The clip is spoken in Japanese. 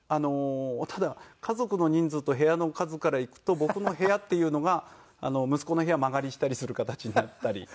ただ家族の人数と部屋の数からいくと僕の部屋っていうのが息子の部屋間借りしたりする形になったりするんですけど。